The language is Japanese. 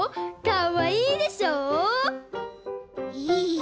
かわいいでしょ？いい。